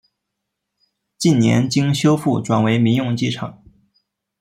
近年经修复转为民用机场。